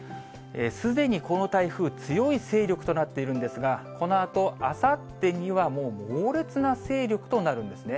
すでにこの台風、強い勢力となっているんですが、このあとあさってにはもう、猛烈な勢力となるんですね。